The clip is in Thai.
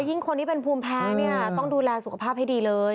แล้วยิ่งคนที่เป็นภูมิแพ้ต้องดูแลสุขภาพให้ดีเลย